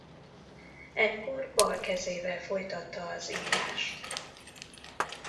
Ekkor bal kezével folytatta az írást.